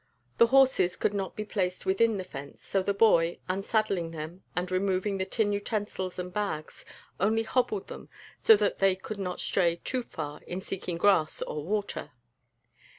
The horses could not be placed within the fence; so the boy, unsaddling them and removing the tin utensils and bags, only hobbled them so that they should not stray too far in seeking grass or water.